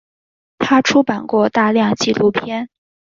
他出版过大量纪录片。